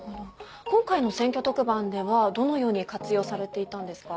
今回の選挙特番ではどのように活用されていたんですか？